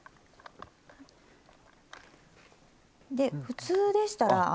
で普通でしたら。